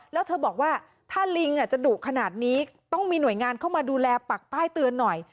แล้วเธอบอกว่าถ้าลิงจะดุขนาดนี้ต้องมีหน่วยงานเข้ามาดูแลปักป้ายเตือนหน่อย